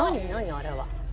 あれは。